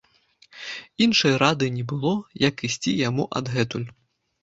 Іншай рады не было, як ісці яму адгэтуль.